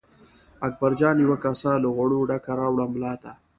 اکبرجان یوه کاسه له غوړو ډکه راوړه ملا ته.